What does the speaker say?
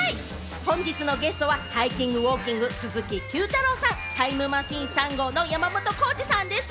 本日のゲストはハイキングウォーキング・鈴木Ｑ太郎さん、タイムマシーン３号の山本浩司さんでした。